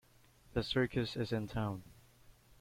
The circus is in town!.